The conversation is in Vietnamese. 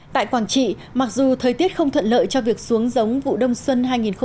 tại quảng trị mặc dù thời tiết không thuận lợi cho việc xuống giống vụ đông xuân hai nghìn một mươi bảy